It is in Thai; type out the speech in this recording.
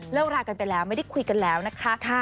รากันไปแล้วไม่ได้คุยกันแล้วนะคะ